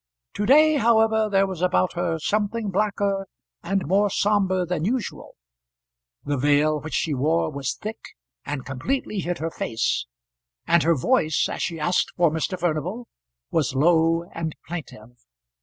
To day, however, there was about her something blacker and more sombre than usual. The veil which she wore was thick, and completely hid her face; and her voice, as she asked for Mr. Furnival, was low and plaintive.